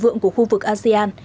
vượn của khu vực asean